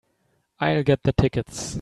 I'll get the tickets.